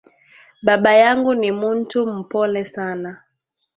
Baba yangu ni muntu mupole sana